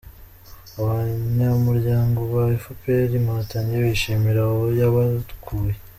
Abanyamuryango ba efuperi Inkotanyi bishimira aho yabakuye